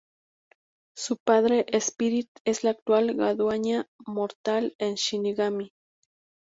Su padre, Spirit, es la actual Guadaña Mortal de Shinigami.